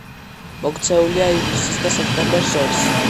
მოქცეულია ივლისსა და სექტემბერს შორის.